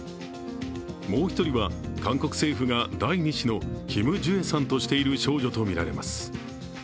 もう１人は韓国政府が第２子のキム・ジュエさんとしている少女とみられます。